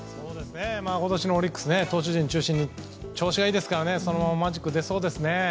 今年のオリックス投手陣を中心に調子がいいのでそのままマジックが出そうですね。